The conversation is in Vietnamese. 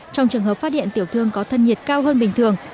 trong trường hợp phát hiện tiểu thương có thân nhiệt cao hơn bình thường